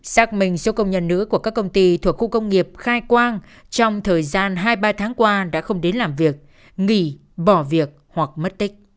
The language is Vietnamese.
xác minh số công nhân nữ của các công ty thuộc khu công nghiệp khai quang trong thời gian hai ba tháng qua đã không đến làm việc nghỉ bỏ việc hoặc mất tích